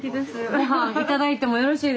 ごはん頂いてもよろしいでしょうか？